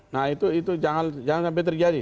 nah itu jangan sampai terjadi